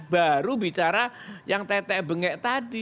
baru bicara yang tetek bengek tadi